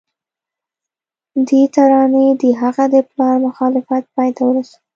دې ترانې د هغه د پلار مخالفت پای ته ورساوه